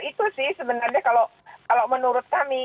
itu sih sebenarnya kalau menurut kami